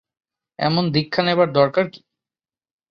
এমন দীক্ষা নেবার দরকার কী?